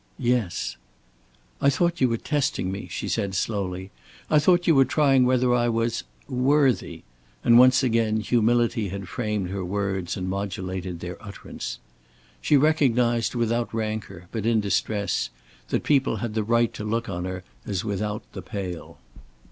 "Yes." "I thought you were testing me," she said, slowly. "I thought you were trying whether I was worthy"; and once again humility had framed her words and modulated their utterance. She recognized without rancor, but in distress, that people had the right to look on her as without the pale.